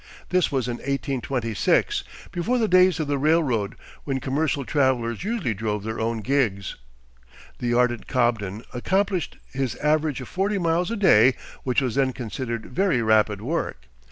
This was in 1826, before the days of the railroad, when commercial travelers usually drove their own gigs. The ardent Cobden accomplished his average of forty miles a day, which was then considered very rapid work.